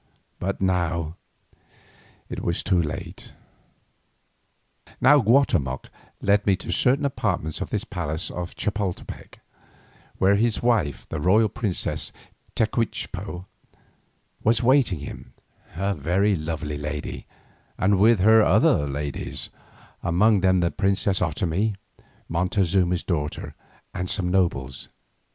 But now it was too late. Now Guatemoc led me to certain apartments of this palace of Chapoltepec, where his wife, the royal princess Tecuichpo, was waiting him, a very lovely lady, and with her other ladies, among them the princess Otomie, Montezuma's daughter, and some nobles.